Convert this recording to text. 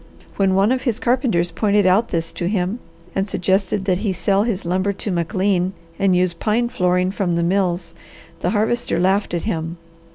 When one of his carpenters pointed out this to him, and suggested that he sell his lumber to McLean and use pine flooring from the mills the Harvester laughed at him.